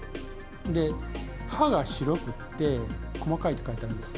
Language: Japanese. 歯が白くて細かいと書いてあるんです。